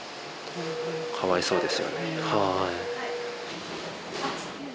かわいそうですよね。